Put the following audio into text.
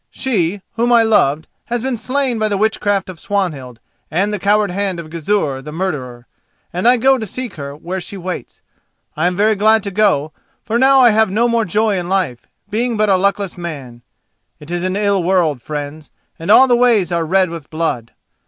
She whom I loved has been slain by the witchcraft of Swanhild and the coward hand of Gizur the murderer, and I go to seek her where she waits. I am very glad to go, for now I have no more joy in life, being but a luckless man; it is an ill world, friends, and all the ways are red with blood.